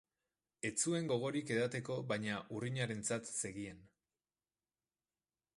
Ez zuen gogorik edateko baina urrinarentzat zegien.